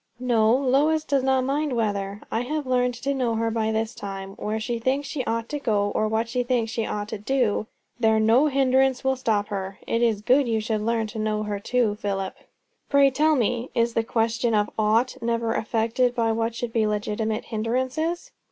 "No. Lois does not mind weather. I have learned to know her by this time. Where she thinks she ought to go, or what she thinks she ought to do, there no hindrance will stop her. It is good you should learn to know her too, Philip." "Pray tell me, is the question of 'ought' never affected by what should be legitimate hindrances?"